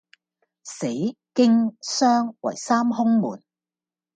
死、驚、傷為三凶門。